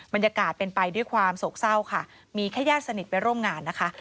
บรรยากาศเป็นไปด้วยความโศกเศร้าค่ะมีแค่ญาติสนิทไปร่วมงานนะคะ